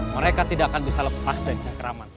mereka tidak akan bisa lepas deh cak raman